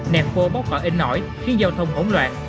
nẹp khô bóc vào in nổi khiến giao thông hỗn loạn